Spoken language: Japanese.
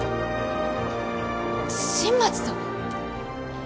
新町さん？